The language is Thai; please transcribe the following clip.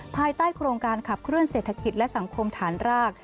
ภายใต้โครงการขับเคลื่อเศรษฐกิจและสังคมฐานราก